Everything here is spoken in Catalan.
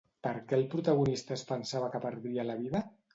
Per què el protagonista es pensava que perdria la vida?